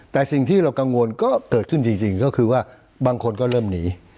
แต่สิ่งที่เรากังวลก็เกิดขึ้นจริงก็คือว่าบางคนก็เริ่มหนี